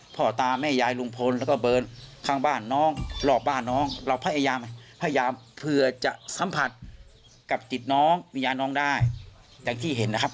ก็คือไปแล้วมันสัมผัสได้ยากหรือไง